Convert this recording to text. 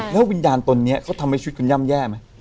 แล้ววิญญาณตนนี้เขาทำให้ชีวิตคุณย่ำแย่ไหม